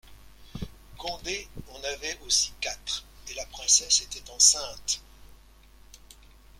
Condé en avait aussi quatre, et la princesse était enceinte.